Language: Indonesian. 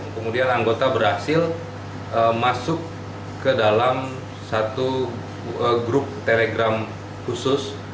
kemudian anggota berhasil masuk ke dalam satu grup telegram khusus